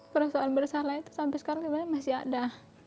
perasaan bersalah itu sampai sekarang sebenarnya masih ada